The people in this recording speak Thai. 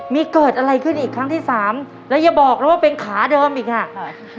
มีเกิดอะไรขึ้นอีกครั้งที่สามแล้วอย่าบอกแล้วว่าเป็นขาเดิมอีกอ่ะค่ะ